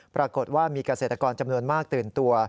ปรากฏว่ามีเกษตรกรจำนวนมากตื่นตัว